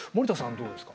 どうですか。